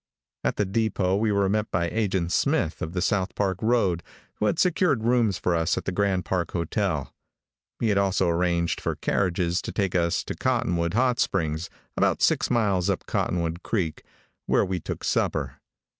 At the depot we were met by Agent Smith, of the South Park road, who had secured rooms for us at the Grand Park hotel. He had also arranged for carriages to take us out to Cottonwood Hot Springs, about six miles up Cottonwood creek, where we took supper.